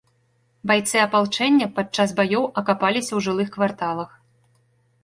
Байцы апалчэння падчас баёў акапаліся ў жылых кварталах.